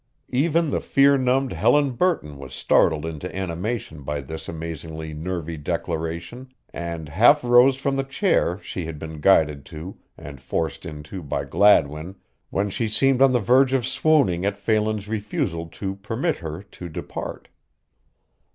Even the fear numbed Helen Burton was startled into animation by this amazingly nervy declaration and half rose from the chair she had been guided to and forced into by Gladwin when she seemed on the verge of swooning at Phelan's refusal to permit her to depart.